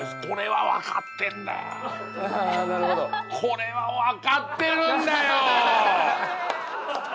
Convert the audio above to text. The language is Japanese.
これは分かってるんだよ！